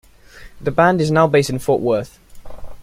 The band is now based in Fort Worth.